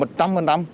và chia quân tỉnh